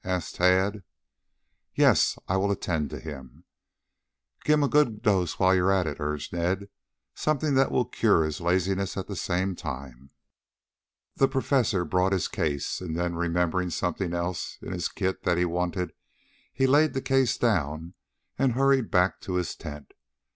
asked Tad. "Yes, I'll attend to him." "Give him a good dose while you are about it," urged Ned. "Something that will cure his laziness at the same time." The Professor brought his case; then, remembering something else in his kit that he wanted, he laid the case down and hurried back to his tent.